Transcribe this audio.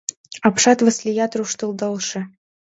Апшат Васлият руштылдалше.